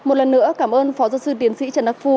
một lần nữa cảm ơn phó giáo sư tiến sĩ trần đắc phu